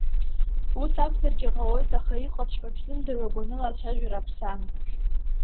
Ус акәзаргьы ҟалоит, аха иҟаҵәҟьоу шәзымдыруа гәаныла ацәажәара аԥсам.